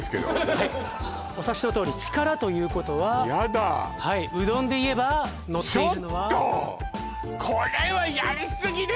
はいお察しのとおり「力」ということはやだはいうどんでいえばのっているのはちょっと！